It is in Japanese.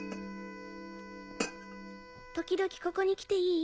時々ここに来ていい？